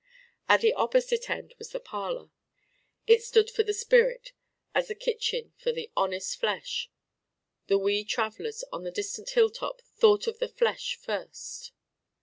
At the opposite end was the parlor: it stood for the Spirit, as the kitchen for the honest Flesh: the wee travellers on the distant hilltop thought of the flesh first.